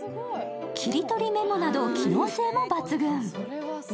切り取りメモなど機能性も抜群。